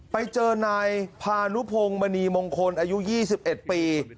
ไปเจอนายพานุพงศ์มณีมงคลอายุ๒๑ปี